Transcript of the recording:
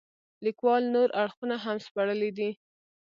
لیکوال نور اړخونه هم سپړلي دي.